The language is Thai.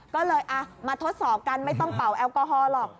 ก็เลยมาทดสอบกันไม่ต้องเป่าแอลกอฮอลหรอก